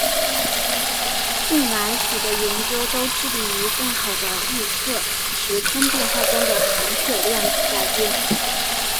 近来许多研究都致力于更好地预测时空变化中的含水量改变。